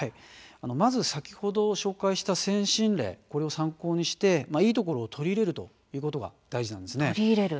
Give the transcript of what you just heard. まず先ほど紹介した先進例を参考にしていいところを取り入れるということが大事になります。